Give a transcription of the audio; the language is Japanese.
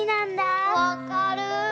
わかる。